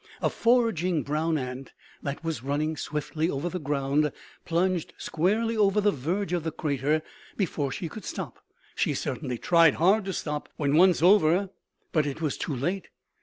A foraging brown ant that was running swiftly over the ground plunged squarely over the verge of the crater before she could stop. She certainly tried hard to stop when once over, but it was too late.